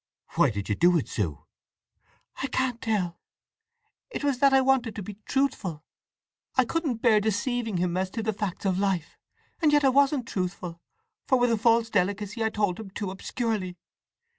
"Why did you do it, Sue?" "I can't tell. It was that I wanted to be truthful. I couldn't bear deceiving him as to the facts of life. And yet I wasn't truthful, for with a false delicacy I told him too obscurely.